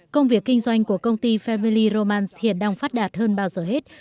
công việc kinh doanh của công ty family roman hiện đang phát đạt hơn bao giờ hết